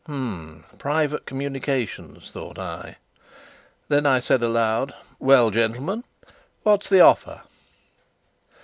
"H'm! Private communications," thought I. Then I said aloud: "Well, gentlemen, what's the offer?"